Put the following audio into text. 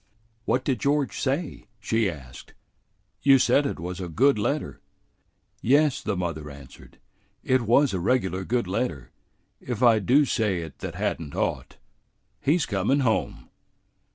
"What did George say?" she asked. "You said it was a good letter." "Yes," the mother answered, "it was a regular good letter, if I do say it that had n't ought. He's comin' home."